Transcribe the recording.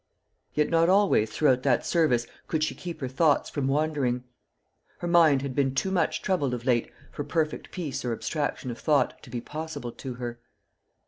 Yet not always throughout that service could she keep her thoughts from wandering. Her mind had been too much troubled of late for perfect peace or abstraction of thought to be possible to her.